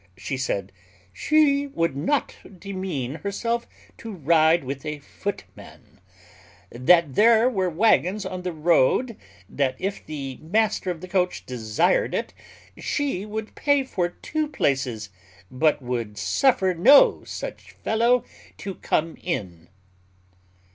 She said, "She would not demean herself to ride with a footman: that there were waggons on the road: that if the master of the coach desired it, she would pay for two places; but would suffer no such fellow to come in."